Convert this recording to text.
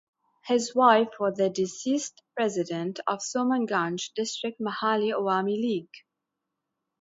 His wife was the deceased president of Sunamganj District Mahila Awami League.